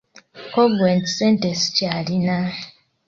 Ko ggwe nti Ssente sikyalina.